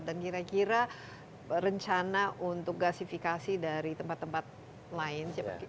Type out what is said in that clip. dan kira kira rencana untuk gasifikasi dari tempat tempat lain